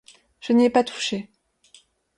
Je n'y ai pas touché.